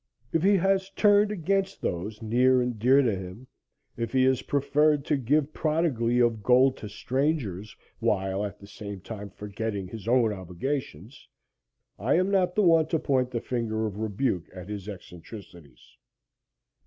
If he has turned against those near and dear to him if he has preferred to give prodigally of gold to strangers, while at the same time forgetting his own obligations I am not the one to point the finger of rebuke at his eccentricities.